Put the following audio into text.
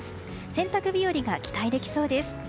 洗濯日和が期待できそうです。